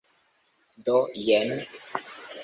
Do, jen.